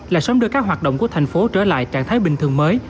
là sớm đưa các hoạt động của thành phố trở lại trạng thái bình thường mới